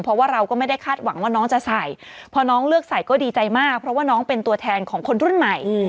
เพราะว่าเราก็ไม่ได้คาดหวังว่าน้องจะใส่พอน้องเลือกใส่ก็ดีใจมากเพราะว่าน้องเป็นตัวแทนของคนรุ่นใหม่